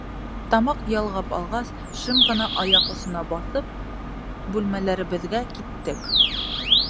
Тамаҡ ялғап алғас, шым ғына аяҡ осона баҫып, бүлмәләребеҙгә киттек...